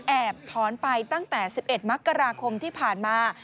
ถอนไปตั้งแต่๑๑มกราคมที่ผ่านมา